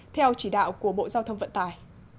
theo chỉ đạo của bộ giao thông vận tài